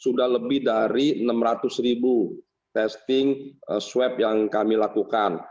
sudah lebih dari enam ratus ribu testing swab yang kami lakukan